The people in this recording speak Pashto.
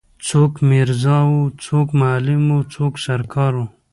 څوک میرزا وو څوک معلم وو څوک سر کار وو.